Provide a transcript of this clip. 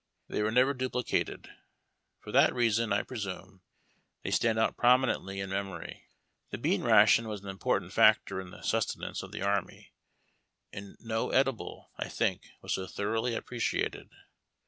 They were never duplicated. For that reason, I presume, they stand out prominently in memory. The bean ration was an important factor in the sustenance of the army, and no edible, I think, was so thoroughly ap jjreciated.